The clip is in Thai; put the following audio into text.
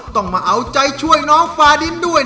ต้องมาเอาใจช่วยน้องฟาดินด้วย